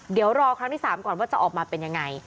เดี๋ยวรอครั้งที่๓ก่อนว่าจะออกมาเป็นยังไง